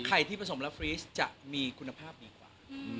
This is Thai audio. ไข่ที่ผสมกับฟรีชจะมีคุณภาพดีกว่า